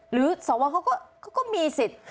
สวเขาก็มีสิทธิ์